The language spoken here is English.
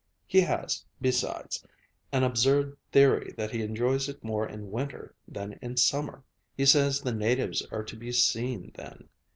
He has, besides, an absurd theory that he enjoys it more in winter than in summer. He says the natives are to be seen then.